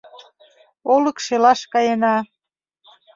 Олык шелаш каена.